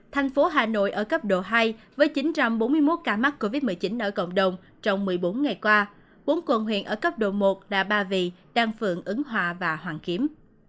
thành phố hà nội ở cấp độ hai với chín trăm bốn mươi một ca mắc covid một mươi chín ở cộng đồng trong một mươi bốn ngày qua bốn quận huyện ở cấp độ một là ba vì đan phượng ứng hòa và hoàn kiếm